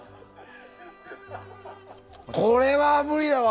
これは無理だわ。